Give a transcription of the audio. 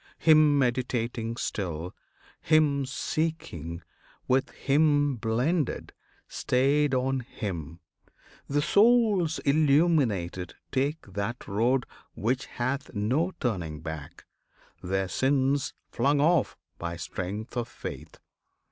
Him meditating still, Him seeking, with Him blended, stayed on Him, The souls illuminated take that road Which hath no turning back their sins flung off By strength of faith.